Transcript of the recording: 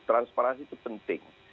transparansi itu penting